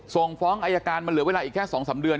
ส่งฟ้องอายการมันเหลือเวลาอีกแค่๒๓เดือน